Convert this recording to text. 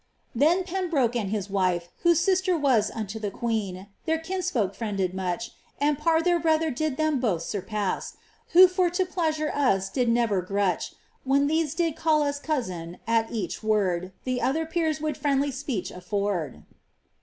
44 XATHARINB PARK* * Then Pembroke and his wife, who sister wms Unto the queen, their kinsfolk friended much And Parr their brother did them both surpass, Who for to pleasure us did never grutch. When these did call us cousin, at each word The otlior peers would friendly speech a^rd."